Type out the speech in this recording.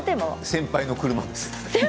先輩の車です。